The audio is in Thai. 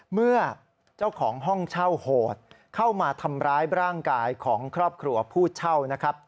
เมื่อเจ้าของห้องเช่าโหดเข้ามาทำร้ายร่างกายของครอบครัวผู้เช่านะครับ